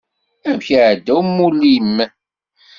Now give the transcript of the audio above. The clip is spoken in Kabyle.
Amek iɛedda umulli-m?